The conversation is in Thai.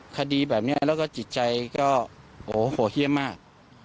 คดีแบบนี้แล้วก็จิตใจก็โอ้โหโหดเยี่ยมมาก